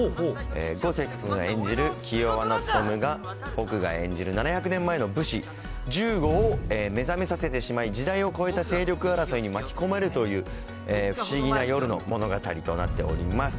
五関君が演じる気弱なツトムが、僕が演じる７００年前の武士、十五を目覚めさせてしまい、時代を超えた勢力争いに巻き込まれるという、不思議な夜の物語となっております。